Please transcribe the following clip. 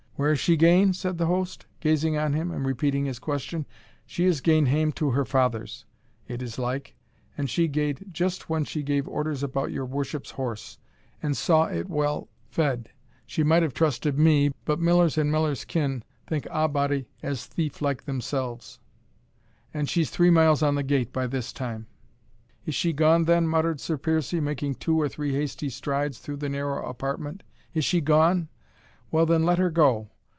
"Where is she gane?" said the host, gazing on him, and repeating his question "She is gane hame to her father's, it is like and she gaed just when she gave orders about your worship's horse, and saw it well fed, (she might have trusted me, but millers and millers' kin think a' body as thief like as themselves,) an' she's three miles on the gate by this time." "Is she gone then?" muttered Sir Piercie, making two or three hasty strides through the narrow apartment "Is she gone? Well, then, let her go.